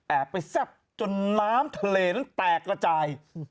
ไปแซ่บจนน้ำทะเลนั้นแตกระจาย